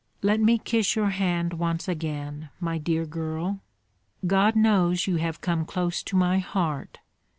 "Let me kiss your hand once again, my dear girl! God knows you have come close to my heart.